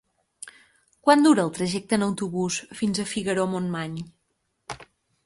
Quant dura el trajecte en autobús fins a Figaró-Montmany?